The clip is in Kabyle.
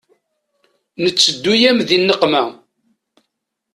Nteddu-yam di nneqma.